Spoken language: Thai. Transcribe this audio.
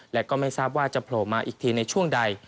และก็ไม่ทราบว่าจะโผล่มาอีกทีในช่วงใด